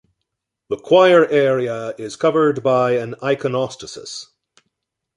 The choir area is covered by an iconostasis.